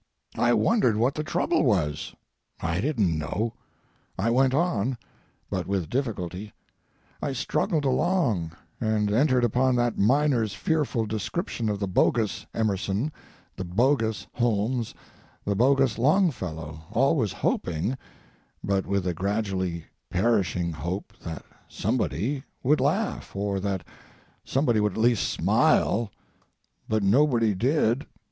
I wondered what the trouble was. I didn't know. I went on, but with difficulty—I struggled along, and entered upon that miner's fearful description of the bogus Emerson, the bogus Holmes, the bogus Longfellow, always hoping—but with a gradually perishing hope that somebody—would laugh, or that somebody would at least smile, but nobody did.